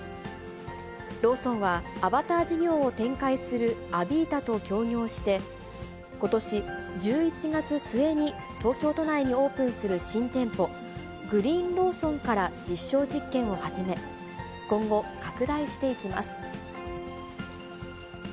ローソンは、アバター事業を展開するアビータと協業して、ことし１１月末に東京都内にオープンする新店舗、グリーンローソンから実証実験を始め、今後、拡大していきます。